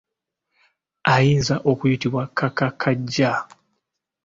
Ayinza kuyitibwa kakakajja.